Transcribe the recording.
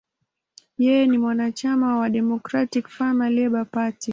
Yeye ni mwanachama wa Democratic–Farmer–Labor Party.